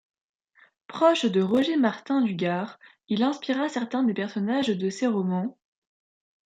Proche de Roger Martin du Gard, il inspira certains des personnages de ses romans.